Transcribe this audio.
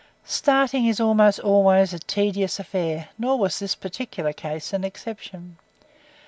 Starting is almost always a tedious affair, nor was this particular case an exception.